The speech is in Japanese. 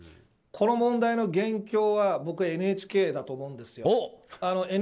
この問題の元凶は僕はＮＨＫだと思うんですよ。